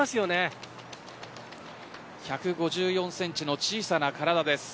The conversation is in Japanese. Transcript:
１５４センチの小さな体です。